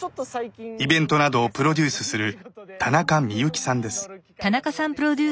イベントなどをプロデュースする田中みゆきさんです。